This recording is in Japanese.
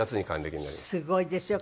すごいですよ。